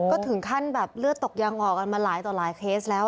ก็ถึงขั้นแบบเลือดตกยังออกกันมาหลายต่อหลายเคสแล้ว